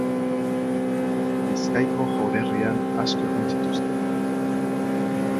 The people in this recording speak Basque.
Bizkaiko Jaurerrian asko egin zituzten.